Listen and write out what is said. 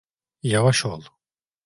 Yavaş ol.